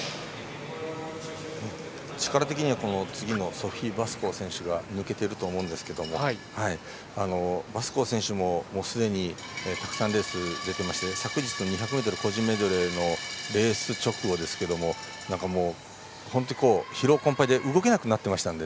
力的には次のソフィー・パスコー選手が抜けていると思うんですけどもパスコー選手も、すでにたくさんレースに出てまして昨日の２００ｍ個人メドレーのレース直後ですが疲労困ぱいで動けなくなってましたので。